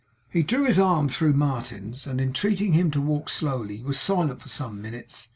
He drew his arm through Martin's, and entreating him to walk slowly, was silent for some minutes.